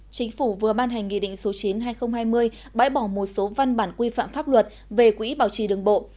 chính phủ vừa ban hành nghị định số chín hai nghìn hai mươi bãi bỏ một số văn bản quy phạm pháp luật về quỹ bảo trì đường bộ